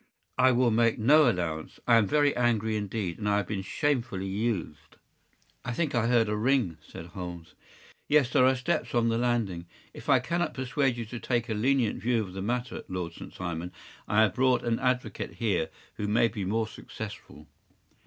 ” “I will make no allowance. I am very angry indeed, and I have been shamefully used.” “I think that I heard a ring,” said Holmes. “Yes, there are steps on the landing. If I cannot persuade you to take a lenient view of the matter, Lord St. Simon, I have brought an advocate here who may be more successful.